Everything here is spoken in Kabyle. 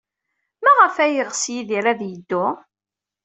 Maɣef ay yeɣs Yidir ad yeddu?